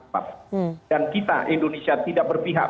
dan kita indonesia tidak berpihak